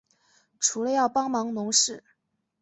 除了要帮忙农事